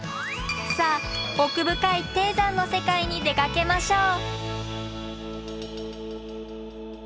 さあ奥深い低山の世界に出かけましょう。